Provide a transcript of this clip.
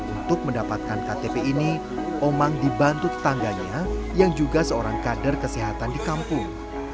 untuk mendapatkan ktp ini omang dibantu tetangganya yang juga seorang kader kesehatan di kampung